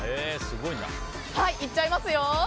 いっちゃいますよ！